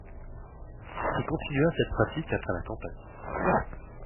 Il continua cette pratique après la campagne.